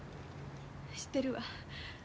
知ってるわ。